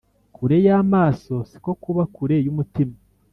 Kure y’amaso siko kuba kure y’umutima